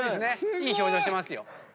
いい表情してますよ。